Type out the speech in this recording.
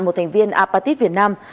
một thành viên apatit việt nam